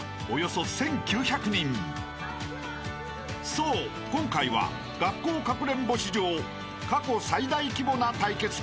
［そう今回は学校かくれんぼ史上過去最大規模な対決となる！］